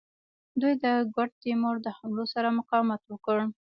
دوی د ګوډ تیمور د حملو سره مقاومت وکړ.